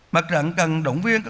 mặt trận cần động viên các tổ quốc